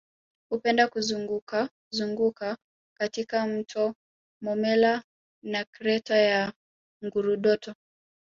Hupenda kuzungukazunguka katika mto Momella na Kreta ya Ngurudoto